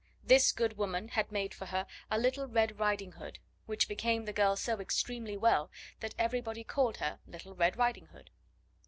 This good woman had made for her a little red riding hood; which became the girl so extremely well that everybody called her Little Red Riding Hood.